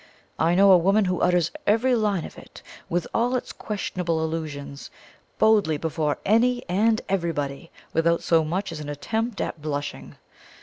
I know a woman who utters every line of it, with all its questionable allusions, boldly before any and everybody, without so much as an attempt at blushing.